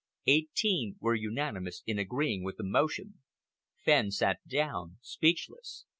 Eighteen were unanimous in agreeing with the motion. Fenn sat down, speechless.